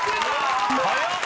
早っ！